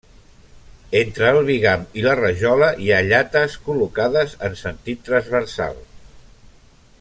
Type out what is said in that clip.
Entre el bigam i la rajola hi ha llates col·locades en sentit transversal.